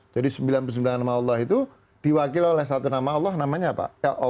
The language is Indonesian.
jadi sembilan puluh sembilan nama allah itu diwakil oleh satu nama allah namanya apa